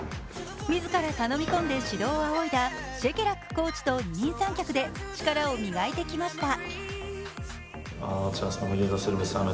自ら頼み込んで指導を仰いだシェケラックコーチと二人三脚で力を磨いてきました。